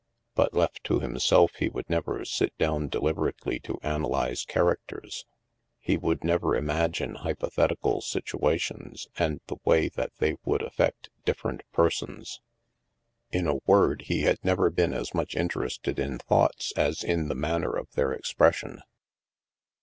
But, left to himself, he would never sit down deliberately to analyze characters. He would never imagine hypo thetical situations and the way that they would affect different persons. In a word, he had never been as much interested in thoughts as in the manner of their expression.